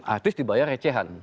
artis dibayar recehan